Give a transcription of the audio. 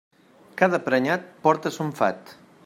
Cada prenyat porta son fat.